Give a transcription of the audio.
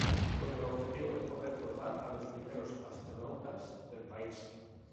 Con el objetivo de poder formar a los primeros astronautas del país.